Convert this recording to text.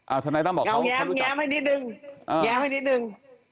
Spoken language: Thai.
เอาแง้มให้นิดนึงแง้มให้นิดนึง